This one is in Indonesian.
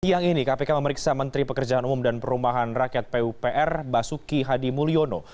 siang ini kpk memeriksa menteri pekerjaan umum dan perumahan rakyat pupr basuki hadi mulyono